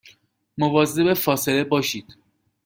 مواظب فاصله باشید